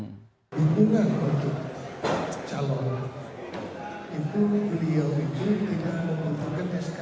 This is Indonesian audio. hubungan untuk calon itu beliau itu tidak membutuhkan sk